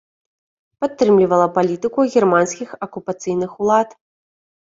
Падтрымлівала палітыку германскіх акупацыйных улад.